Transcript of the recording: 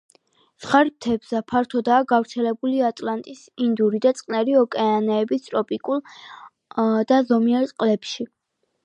ზღარბთევზა ფართოდაა გავრცელებული ატლანტის, ინდური და წყნარი ოკეანეების ტროპიკულ და ზომიერ წყლებში.